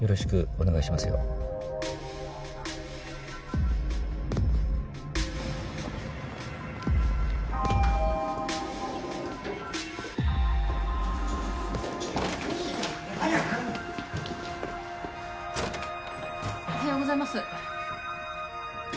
おはようございます。